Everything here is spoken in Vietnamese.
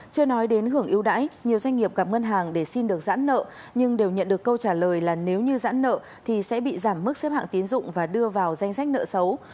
chưa nói đến hưởng yêu đãi nhiều doanh nghiệp gặp ngân hàng để xin được giãn nợ nhưng đều nhận được câu trả lời là nếu như giãn nợ thì sẽ bị giảm mức xếp hạng tín dụng và đưa vào danh sách nợ xấu